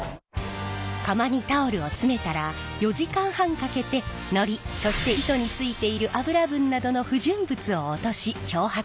釜にタオルを詰めたら４時間半かけてのりそして糸についている油分などの不純物を落とし漂白します。